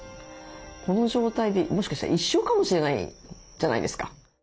この状態でもしかしたら一生かもしれないじゃないですか。